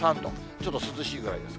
ちょっと涼しいぐらいです。